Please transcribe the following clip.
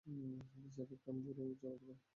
সাথে cyber crime ব্যুরোও চালাতে পারি।